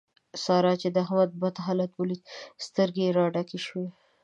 سارا چې د احمد بد حالت وليد؛ سترګې يې را ډکې شوې.